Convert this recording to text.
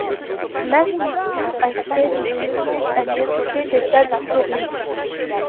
Masisi a fait des études à l'université d'État de Floride.